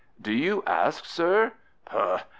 Do you ask Sir Poh!